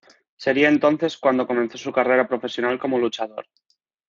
Sería entonces cuando comenzó su carrera profesional como luchador.